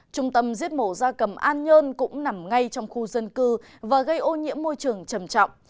trung tâm giết mổ da cầm an nhơn cũng nằm ngay trong khu dân cư và gây ô nhiễm môi trường trầm trọng